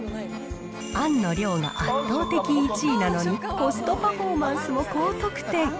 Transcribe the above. あんの量が圧倒的１位なのにコストパフォーマンスも高得点。